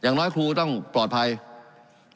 การปรับปรุงทางพื้นฐานสนามบิน